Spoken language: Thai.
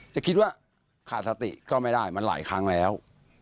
จะคิดว่าขาดสติก็ไม่ได้มันหลายครั้งแล้ว